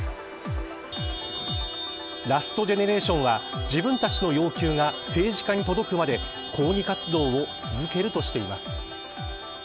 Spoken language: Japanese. ラスト・ジェネレーションは自分たちの要求が政治家に届くまで抗議活動を続けるとしています。